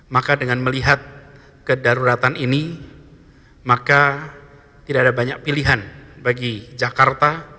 maka dengan melihat kedaruratan ini maka tidak ada banyak pilihan bagi jakarta